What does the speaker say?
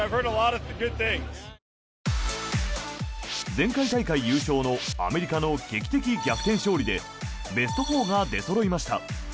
前回大会優勝のアメリカの劇的逆転勝利でベスト４が出そろいました。